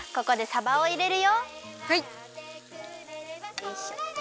よいしょ。